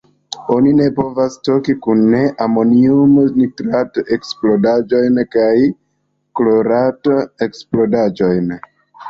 Oni ne povas stoki kune amoniumnitrat-eksplodaĵojn kaj Klorat-eksplodaĵojn.